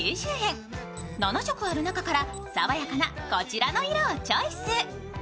７色ある中から爽やかなこちらの色をチョイス。